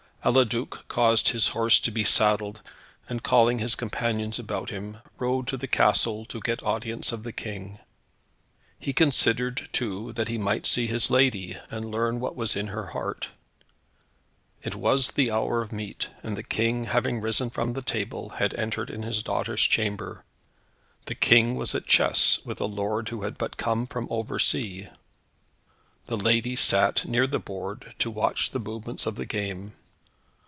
Eliduc caused his horse to be saddled, and calling his companions about him, rode to the castle to get audience of the King. He considered, too, that he might see his lady, and learn what was in her heart. It was the hour of meat, and the King having risen from table, had entered in his daughter's chamber. The King was at chess, with a lord who had but come from over sea. The lady sat near the board, to watch the movements of the game.